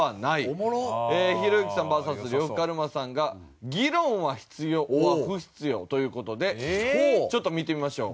ひろゆきさんＶＳ呂布カルマさんが「議論は必要ｏｒ不必要」という事でちょっと見てみましょう。